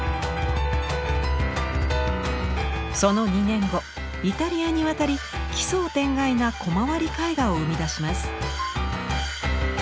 その２年後イタリアに渡り奇想天外な「コマ割り絵画」を生み出します。